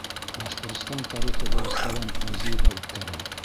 Башҡортостан тарихы дәрестәрен музейҙа үткәреү.